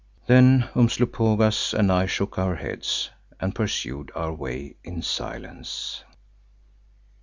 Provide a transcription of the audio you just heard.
Then Umslopogaas and I shook our heads and pursued our way in silence.